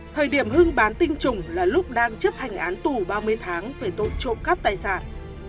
thời điểm hưng bán tinh trùng là lúc đang chấp hành án tù ba mươi tháng về tội trộm cắp tài sản